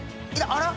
あら？